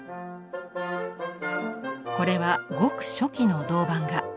これはごく初期の銅版画。